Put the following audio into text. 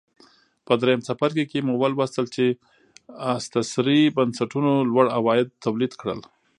په درېیم څپرکي کې مو ولوستل چې استثري بنسټونو لوړ عواید تولید کړل